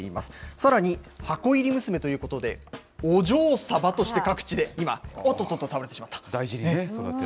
さらに、箱入り娘ということで、お嬢サバとして各地で今、おっと大事に育てている。